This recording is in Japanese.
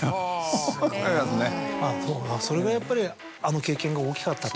それぐらいやっぱりあの経験が大きかったと。